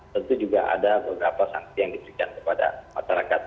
tentu juga ada beberapa sanksi yang diberikan kepada masyarakat